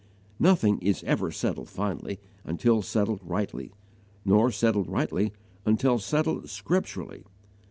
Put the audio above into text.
Nothing is ever settled finally until settled rightly, nor settled rightly until settled scripturally.